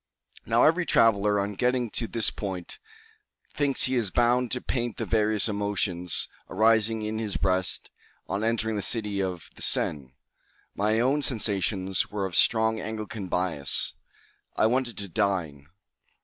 Now every traveller, on getting to this point, thinks he is bound to paint the various emotions arising in his breast on entering the city of the Seine. My own sensations were of strong Anglican bias. I wanted to dine.